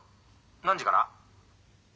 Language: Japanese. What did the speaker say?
何時から？